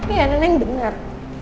iya neneng bener